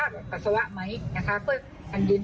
วันนี้ยืนยันว่ามีการภาษาวะไห้เรือไหมซึ่งก็ปรากฎว่าไม่พบ